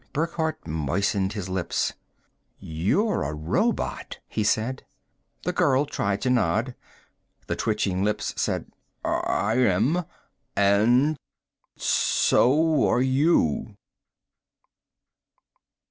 Burckhardt moistened his lips. "You're a robot," he said. The girl tried to nod. The twitching lips said, "I am. And so are you."